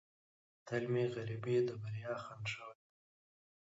تل مې غریبۍ د بریا خنډ شوې ده.